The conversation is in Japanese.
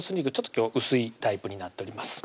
今日薄いタイプになっております